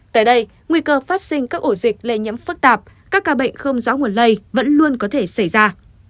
tại đây nguy cơ phát sinh các ổ dịch lây nhiễm phức tạp các ca bệnh không rõ nguồn lây vẫn luôn có thể xảy ra